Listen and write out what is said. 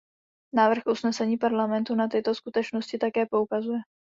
Návrh usnesení Parlamentu na tyto skutečnosti také poukazuje.